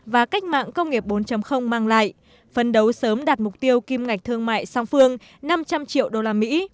và cách mạng công nghiệp bốn mang lại phân đấu sớm đạt mục tiêu kim ngạch thương mại song phương năm trăm linh triệu usd